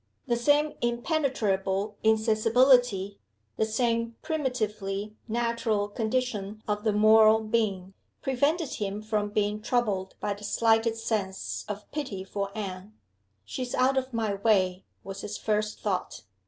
The same impenetrable insensibility, the same primitively natural condition of the moral being, prevented him from being troubled by the slightest sense of pity for Anne. "She's out of my way!" was his first thought.